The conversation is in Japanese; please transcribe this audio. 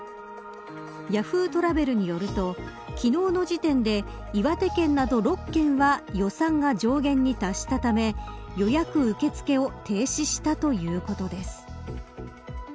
Ｙａｈｏｏ！トラベルによると昨日の時点で、岩手県など６県は予算が上下に達したため予約受け付けを停止したということです。